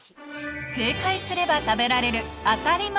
正解すれば食べられる